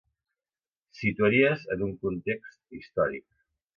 Situaries en un context històric.